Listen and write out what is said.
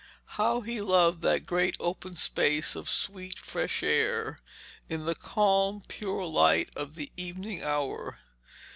How he loved that great open space of sweet fresh air, in the calm pure light of the evening hour.